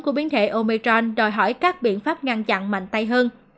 của biến thể omechron đòi hỏi các biện pháp ngăn chặn mạnh tay hơn